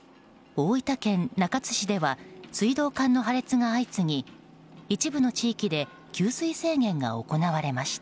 大分県中津市では水道管の破裂が相次ぎ一部の地域で給水制限が行われました。